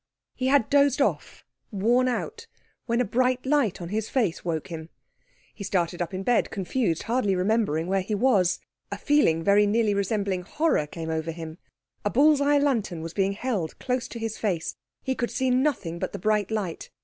He had dozed off, worn out, when a bright light on his face woke him. He started up in bed, confused, hardly remembering where he was. A feeling very nearly resembling horror came over him. A bull's eye lantern was being held close to his face. He could see nothing but the bright light.